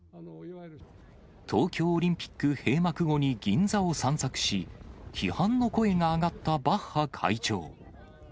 東京オリンピック閉幕後に銀座を散策し、批判の声が上がったバッハ会長。